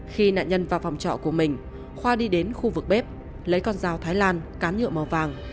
khi nạn nhân vào phòng trọ của mình khoa đi đến khu vực bếp lấy con dao thái lan cán nhựa màu vàng